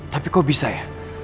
tapi kok bisa ya